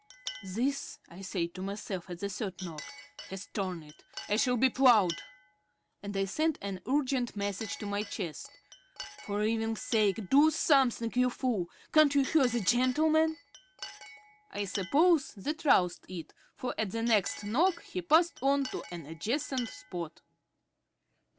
"This," I said to myself at the third knock, "has torn it. I shall be ploughed," and I sent an urgent message to my chest. "For 'eving's sake do something, you fool. Can't you hear the gentleman?" I suppose that roused it, for at the next knock he passed on to an adjacent spot....